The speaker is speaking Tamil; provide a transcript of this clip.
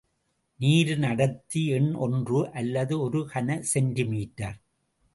நீரின் அடர்த்தி எண் ஒன்று அல்லது ஒரு கன செண்டி மீட்டர்.